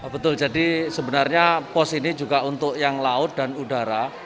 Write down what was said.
betul jadi sebenarnya pos ini juga untuk yang laut dan udara